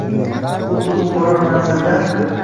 Xuddi u borar manzildan